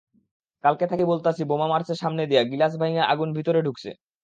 কালকে থাকি বলতাছি বোমা মারছে সামনে দিয়া, গিলাস ভাইঙা আগুন ভিতরে ঢুকছে।